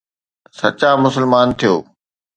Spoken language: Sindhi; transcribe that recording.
سچا مسلمان ٿيو.